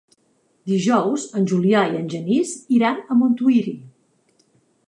Dijous en Julià i en Genís iran a Montuïri.